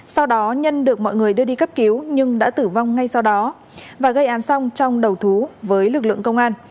sau đó nhân được mọi người đưa đi cấp cứu nhưng đã tử vong ngay sau đó và gây án xong trong đầu thú với lực lượng công an